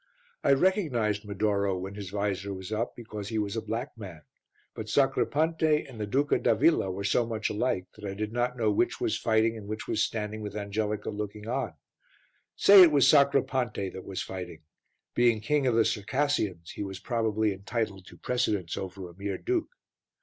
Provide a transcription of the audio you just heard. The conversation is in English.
I recognized Medoro when his vizor was up because he was a black man, but Sacripante and the Duca d'Avilla were so much alike that I did not know which was fighting and which was standing with Angelica looking on; say it was Sacripante that was fighting, being king of the Circassians he was probably entitled to precedence over a mere duke.